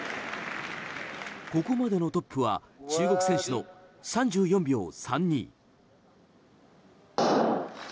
ここまでのトップは中国選手の３４秒３２。